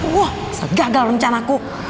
wah gagal rencanaku